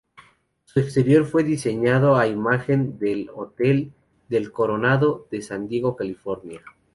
Su exterior fue diseñado a imagen del "Hotel del Coronado" de San Diego, California.